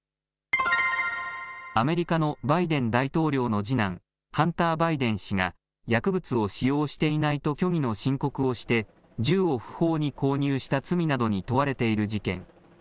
アメリカのバイデン大統領の次男、ハンター・バイデン氏が薬物を使用していないと虚偽の申告をして銃を不法に購入した罪などに問われている事件。